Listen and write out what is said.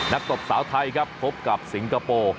ตบสาวไทยครับพบกับสิงคโปร์